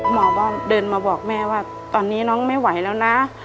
หมอก็เดินมาบอกแม่ว่าตอนนี้น้องไม่ไหวแล้วนะ